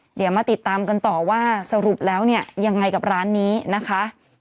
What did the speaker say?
เดี๋ยวมาติดตามกันต่อว่าสรุปแล้วเนี่ยยังไงกับร้านนี้นะคะ